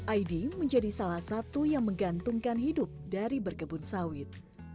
aidi menjadi salah satu yang menggantungkan hidup dari berkebun sawit